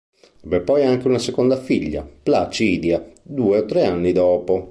Ebbe poi anche una seconda figlia, Placidia, due o tre anni dopo.